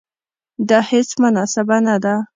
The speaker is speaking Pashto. دا هیڅ مناسبه نه ده.